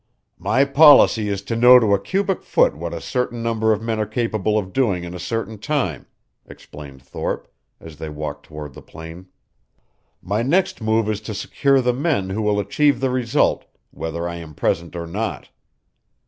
"My policy is to know to a cubic foot what a certain number of men are capable of doing in a certain time," explained Thorpe, as they walked toward the plain. "My next move is to secure the men who will achieve the result, whether I am present or not.